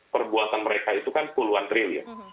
perbuatan mereka itu kan puluhan triliun